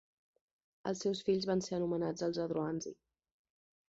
Els seus fills van ser anomenats els adroanzi.